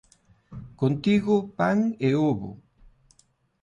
Contigo, pan e ovo